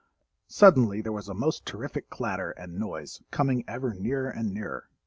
Suddenly there was a most terrific clatter and noise, coming ever nearer and nearer.